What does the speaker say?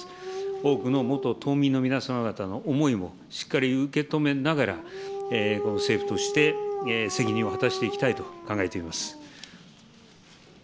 多くの元島民の皆様方の思いもしっかり受け止めながら、政府として責任を果たしていきたいと考えています。